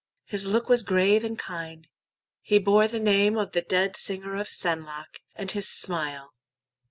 His look was grave and kind; he bore the name Of the dead singer of Senlac, and his smile.